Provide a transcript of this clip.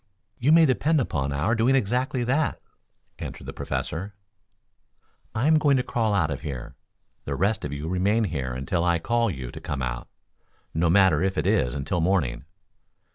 "You may depend upon our doing exactly that," answered the Professor. "I am going to crawl out of here. The rest of you remain here until I call to you to come out, no matter if it is until morning.